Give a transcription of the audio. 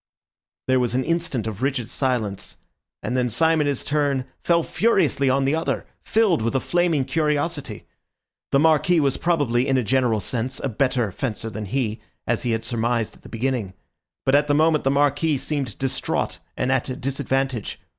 There was an instant of rigid silence, and then Syme in his turn fell furiously on the other, filled with a flaming curiosity. The Marquis was probably, in a general sense, a better fencer than he, as he had surmised at the beginning, but at the moment the Marquis seemed distraught and at a disadvantage.